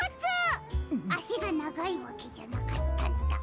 あしがながいわけじゃなかったんだ。